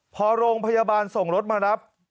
พอโรงพยาบาลส่งรถมารับ